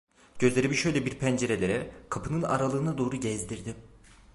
Gözlerimi şöyle bir pencerelere, kapının aralığına doğru gezdirdim.